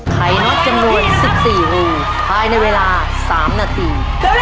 ไข่น็อตจำนวน๑๔รูภายในเวลา๓นาที